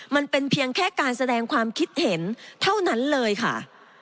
มันเป็นเพียงแค่การแสดงความคิดเห็นเท่านั้นเลยค่ะ